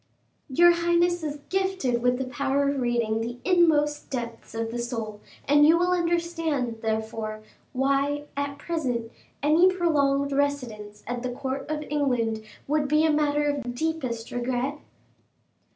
"Your highness is gifted with the power of reading the inmost depths of the soul, and you will understand, therefore, why, at present, any prolonged residence at the court of England would be a matter of the deepest regret."